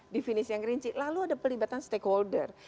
definisi yang rinci lalu ada pelibatan stakeholder